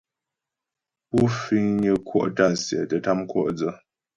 Pú fiŋnyə kwɔ' tǎ'a sɛ tə́ kəm kwɔ' dsə.